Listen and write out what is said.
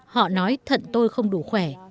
họ nói thận tôi không đủ khỏe